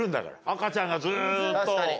赤ちゃんがずーっと。